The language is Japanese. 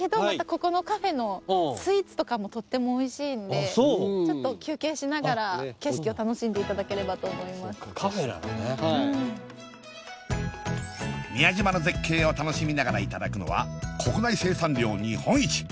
またここのカフェのスイーツとかもとってもおいしいんでああそうちょっと休憩しながら景色を楽しんでいただければと思いますそうかカフェなのねはい宮島の絶景を楽しみながらいただくのは国内生産量日本一！